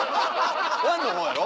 「１」の方やろ？